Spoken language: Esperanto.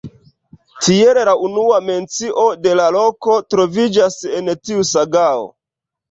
Tiel la unua mencio de la loko troviĝas en tiu sagao.